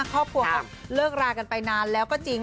ครอบครัวเขาเลิกรากันไปนานแล้วก็จริง